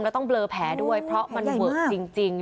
แล้วต้องเบลอแผลด้วยเพราะมันเวอะจริง